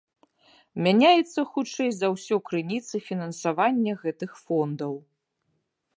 Мяняюцца, хутчэй за ўсё, крыніцы фінансавання гэтых фондаў.